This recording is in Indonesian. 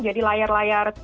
jadi layar tersebut